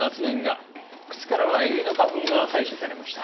靴からはユリの花粉が採取されました。